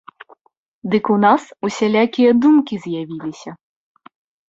Дык у нас усялякія думкі з'явіліся.